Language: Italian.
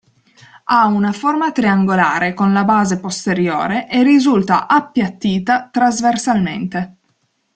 Ha una forma triangolare con la base posteriore e risulta appiattita trasversalmente.